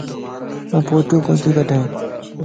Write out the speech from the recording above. آن ڦوٽو ڪوتي ڪڊائين.